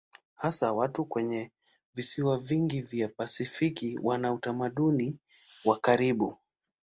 Hasa watu kwenye visiwa vingi vya Pasifiki wana utamaduni wa karibu.